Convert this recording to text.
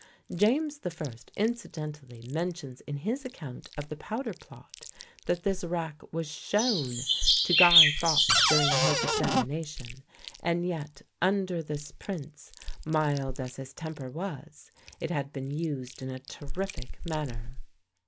James the First incidentally mentions in his account of the powder plot that this rack was shown to Guy Fawkes during his examination; and yet under this prince, mild as his temper was, it had been used in a terrific manner.